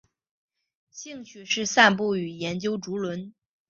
兴趣是散步与研究竹轮。